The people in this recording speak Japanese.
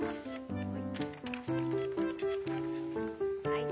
はい。